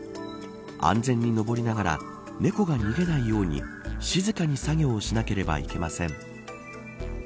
安全に登りながら猫が逃げないように静かに作業をしなければいけません。